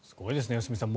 良純さん。